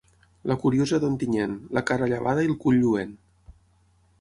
La curiosa d'Ontinyent, la cara llavada i el cul lluent.